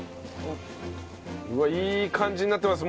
うわっいい感じになってます